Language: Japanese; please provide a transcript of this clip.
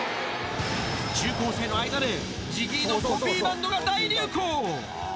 中高生の間でＺＩＧＧＹのコピーバンドが大流行。